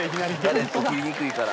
ガレット切りにくいから。